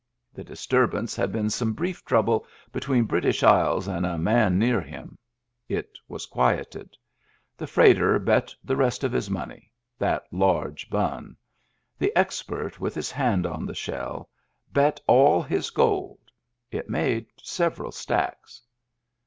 The disturbance had been some brief trouble between British Isles and a man near him; it was quieted. The freighter bet the rest of his money — that large bun. The expert, with his hand on the shell, bet 'dl his gold — it made several stacks.